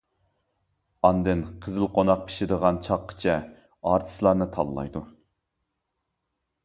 ئاندىن قىزىل قوناق پىشىدىغان چاغقىچە ئارتىسلارنى تاللايدۇ.